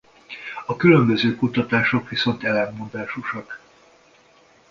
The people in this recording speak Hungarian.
A különböző kutatások viszont ellentmondásosak.